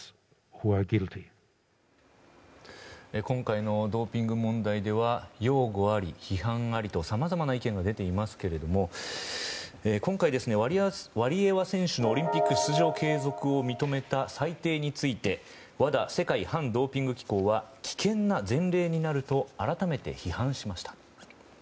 今回のドーピング問題では擁護あり、批判ありとさまざまな意見が出ていますけど今回、ワリエワ選手のオリンピック出場継続を認めた最低についてＷＡＤＡ・世界反ドーピング機構は危険な前例になると改めて批判しました。